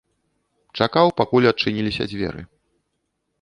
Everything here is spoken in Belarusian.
Чакаў, пакуль адчыніліся дзверы.